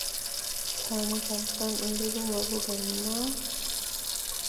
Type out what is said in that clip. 자네 잠깐 이리로 와보겠나?